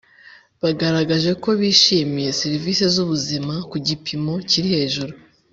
bagaragaje ko bishimiye serivisi z ubuzima ku gipimo kiri hejuru